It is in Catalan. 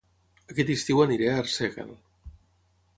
Aquest estiu aniré a Arsèguel